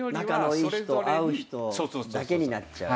仲のいい人合う人だけになっちゃう。